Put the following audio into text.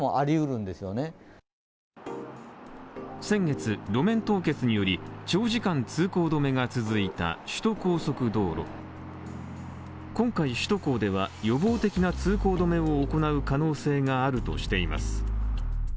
先月、路面凍結により長時間通行止めが続いた首都高速道路、今回首都高では、予防的な通行止めを行う可能性があるとしています。